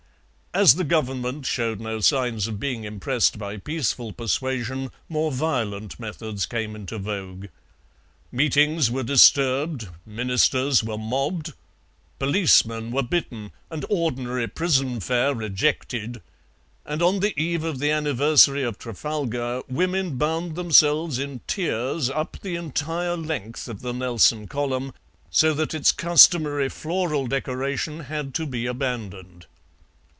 As the Government showed no signs of being impressed by peaceful persuasion, more violent methods came into vogue. Meetings were disturbed, Ministers were mobbed, policemen were bitten, and ordinary prison fare rejected, and on the eve of the anniversary of Trafalgar women bound themselves in tiers up the entire length of the Nelson column so that its customary floral decoration had to be abandoned.